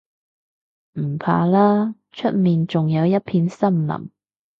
唔怕啦，出面仲有一片森林